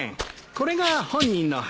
これが本人の話。